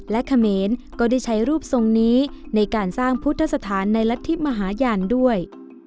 และเขมรก็ได้ใช้รูปทรงนี้ในการสร้างพุทธสถานในรัฐธิมหาญาณด้วย